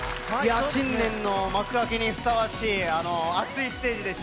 新年の幕開けにふさわしいアツいステージでした。